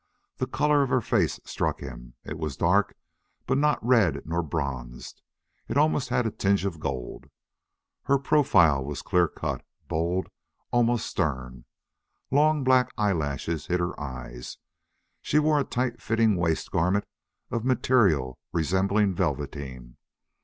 The color of her face struck him; it was dark, but not red nor bronzed; it almost had a tinge of gold. Her profile was clear cut, bold, almost stern. Long black eyelashes hid her eyes. She wore a tight fitting waist garment of material resembling velveteen.